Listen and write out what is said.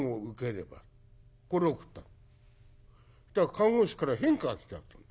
看護師から返歌が来た。